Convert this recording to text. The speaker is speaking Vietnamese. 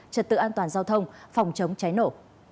trật tự an toàn giao thông phòng chống cháy nổ